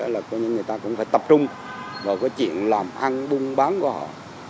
người ta cũng phải tập trung vào chuyện làm ăn bưng bán của họ